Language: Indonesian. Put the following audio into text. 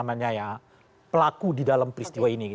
namanya ya pelaku di dalam peristiwa ini